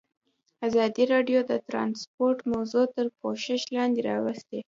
ازادي راډیو د ترانسپورټ موضوع تر پوښښ لاندې راوستې.